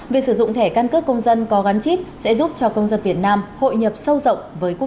về sử dụng thẻ căn cước công dân có gắn chip sẽ giúp cho công dân việt nam hội nhập sâu rộng